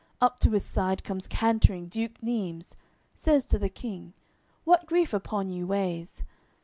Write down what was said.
Up to his side comes cantering Duke Neimes, Says to the King: "What grief upon you weighs?"